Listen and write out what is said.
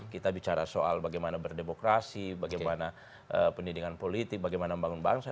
kita bicara soal bagaimana berdemokrasi bagaimana pendidikan politik bagaimana membangun bangsa